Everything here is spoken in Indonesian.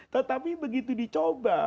tetapi begitu dicoba